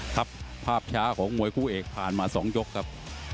ครับภาพช้าของมวยคู่เอกผ่านมา๒ยกครับ